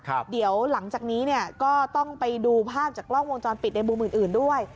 เดี๋ยวหลังจากนี้เนี่ยก็ต้องไปดูภาพจากกล้องวงจรปิดในมุมอื่นอื่นด้วย